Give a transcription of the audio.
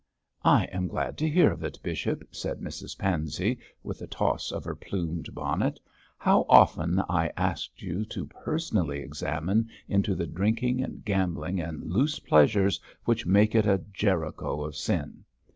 'I am glad to hear it, bishop!' said Mrs Pansey, with a toss of her plumed bonnet. 'How often have I asked you to personally examine into the drinking and gambling and loose pleasures which make it a Jericho of sin?'